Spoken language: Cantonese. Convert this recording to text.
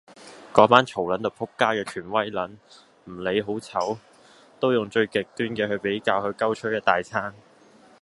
嗰班嘈撚到仆街嘅權威撚，唔理好醜，都用最極端嘅比較去鳩吹一大餐。